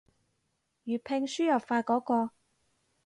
粵拼輸入法嗰個